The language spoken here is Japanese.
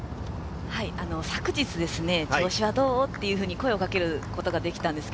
昨日、調子はどう？と声をかけることができたんです。